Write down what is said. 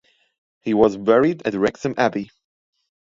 He was buried at Hexham Abbey.